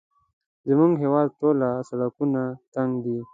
زموږ د هېواد ټوله سړکونه تنګ دي